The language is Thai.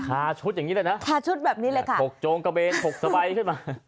ค้าชุดอย่างนี้น่ะค้าชุดแบบนี้แหละค่ะถกโจงกระเบนถกสบายขึ้นมา